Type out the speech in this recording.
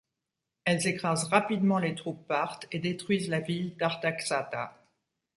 Elles écrasent rapidement les troupes parthes et détruisent la ville d'Artaxata.